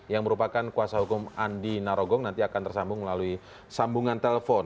yang merupakan kuasa hukum andi narogong nanti akan tersambung melalui sambungan telepon